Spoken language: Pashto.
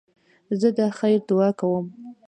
زه د خیر دؤعا کوم.